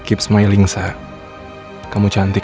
udah sama pak